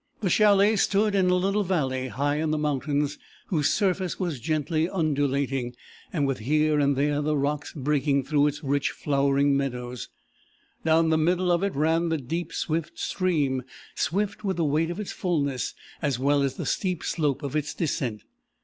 "The chalet stood in a little valley, high in the mountains, whose surface was gently undulating, with here and there the rocks breaking through its rich flowering meadows. Down the middle of it ran the deep swift stream, swift with the weight of its fullness, as well as the steep slope of its descent.